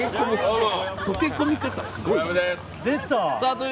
溶け込み方すごい。